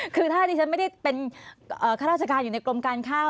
คือถ้าดิฉันไม่ได้เป็นข้าราชการอยู่ในกรมการข้าว